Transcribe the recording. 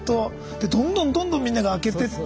でどんどんどんどんみんなが開けてって。